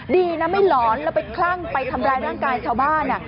ดีนะไม่หลอนแล้วไปคลั่งไปทำร้ายร่างกายชาวบ้าน